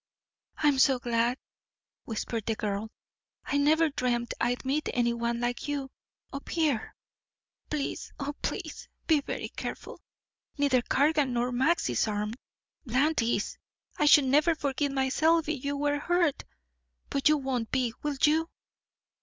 "I'm so glad," whispered the girl. "I never dreamed I'd meet any one like you up here. Please, oh, please, be very careful. Neither Cargan nor Max is armed. Bland is. I should never forgive myself if you were hurt. But you won't be will you?"